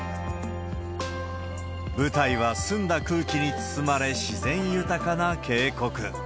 舞台は澄んだ空気に包まれ、自然豊かな渓谷。